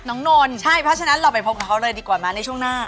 นนใช่เพราะฉะนั้นเราไปพบกับเขาเลยดีกว่ามาในช่วงหน้า